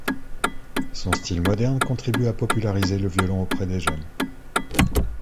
Son style moderne contribue à populariser le violon auprès des jeunes.